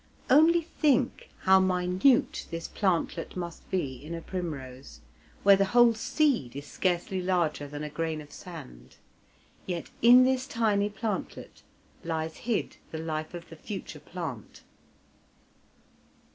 Only think how minute this plantlet must be in a primrose, where the whole seed is scarcely larger than a grain of sand! Yet in this tiny plantlet lies hid the life of the future plant.